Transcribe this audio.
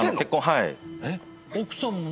はい。